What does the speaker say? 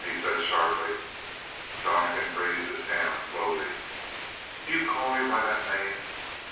he said sharply. Donnegan raised his hand slowly. "Do you call me by that name?"